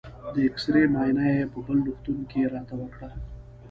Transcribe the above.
د اېکسرې معاینه یې په بل روغتون کې راته وکړه.